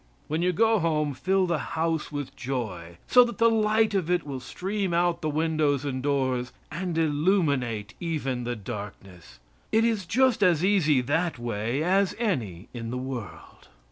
When you go home fill the house with joy, so that the light of it will stream out the windows and doors, and illuminate even the darkness. It is just as easy that way as any in the world.